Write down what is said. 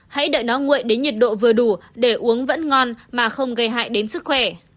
hãy đợi nó nguội đến nhiệt độ vừa đủ để uống vẫn ngon mà không gây hại đến sức khỏe